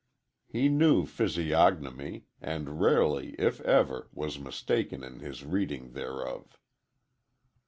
He knew physiognomy, and rarely, if ever, was mistaken in his reading thereof.